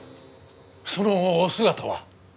そのお姿は？